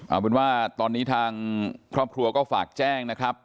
เอาเป็นว่าตอนนี้ทางครอบครัวก็ฝากแจ้งนะครับ